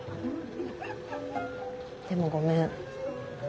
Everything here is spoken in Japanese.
でもごめん。